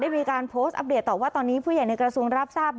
มีการโพสต์อัปเดตต่อว่าตอนนี้ผู้ใหญ่ในกระทรวงรับทราบ